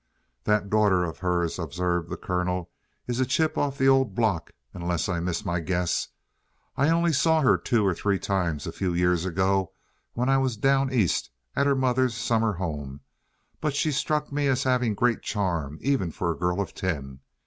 "That daughter of hers," observed the Colonel, "is a chip of the old block, unless I miss my guess. I only saw her two or three times a few years ago when I was down East at her mother's summer home; but she struck me as having great charm even for a girl of ten.